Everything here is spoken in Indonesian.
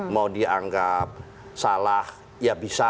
mau dianggap salah ya bisa